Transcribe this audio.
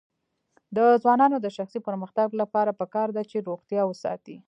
د ځوانانو د شخصي پرمختګ لپاره پکار ده چې روغتیا وساتي.